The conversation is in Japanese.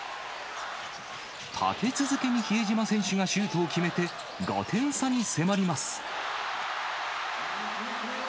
立て続けに比江島選手がシュートを決めて、５点差に迫ります。